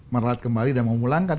merawat kembali dan memulangkan